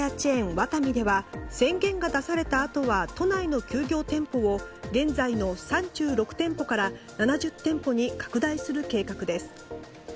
ワタミでは宣言が出されたあとは都内の休業店舗を現在の３６店舗から７０店舗に拡大する計画です。